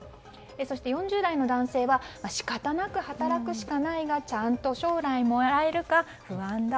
そして４０代の男性は仕方なく働くしかないがちゃんと将来もらえるか不安だ。